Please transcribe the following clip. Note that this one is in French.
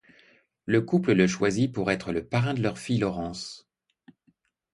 Le couple le choisit pour être le parrain de leur fille Laurence.